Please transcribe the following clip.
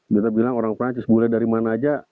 kita bilang orang perancis bule dari mana aja